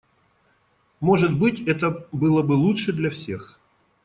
Может быть это было бы лучше для всех.